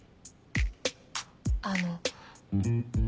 あの。